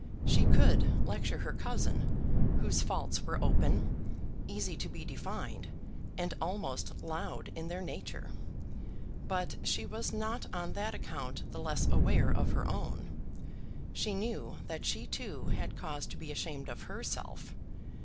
She could lecture her cousin, whose faults were open, easy to be defined, and almost loud in their nature; but she was not on that account the less aware of her own. She knew that she too had cause to be ashamed of herself.